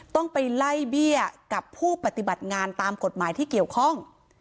ต้องไปไล่เบี้ยกับผู้ปฏิบัติงานตามกฎหมายที่เกี่ยวข้อง